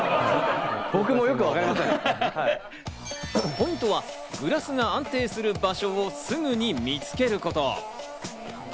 ポイントはグラスが安定する場所をすぐに見つけること。